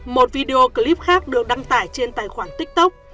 một video clip khác được đăng tải trên tài khoản tiktok